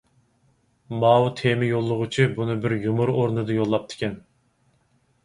ماۋۇ تېما يوللىغۇچى بۇنى بىر يۇمۇر ئورنىدا يوللاپتىكەن.